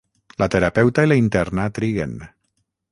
La terapeuta i la interna triguen.